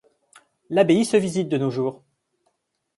L'abbaye se visite de nos jours.